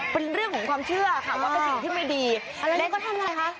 เป็นเรื่องของความเชื่อค่ะว่าเป็นสิ่งที่ไม่ดีแล้วก็ทำอะไรคะ